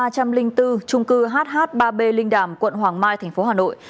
ba trăm linh bốn trung cư hh ba b linh đàm quận hoàng mai tp hà nội